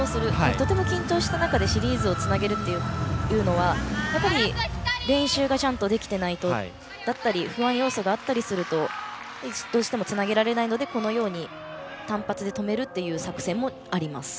とても緊張した中でシリーズをつなげるというのは練習がちゃんとできていないとか不安要素があったりするとどうしてもつなげられないのでこのように、単発で止めるという作戦もあります。